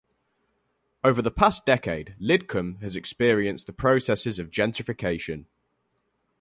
Over the past decade, Lidcombe has experienced the processes of gentrification.